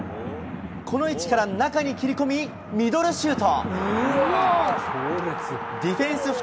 この位置から中に切り込み、ミドルシュート。